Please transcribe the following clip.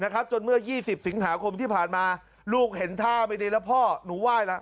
น่ะครับจนเมื่อ๒๐สิงหาคมที่ผ่านมาลูกเห็นทาไปในนรพหนูไหว้ละ